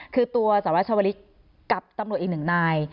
คือตัวสหรัฐชาวลิศกับตำรวจอีกหนึ่งนาย